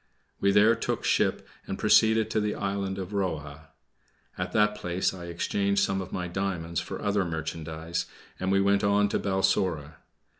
We there took ship and proceeded to the island of Roha. At that place I exchanged some of my diamonds for other merchandise, and we went on to Balsora.